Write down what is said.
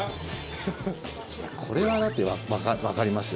これは分かりますよ